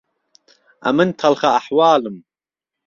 ئەمن تەڵخە ئەحوالم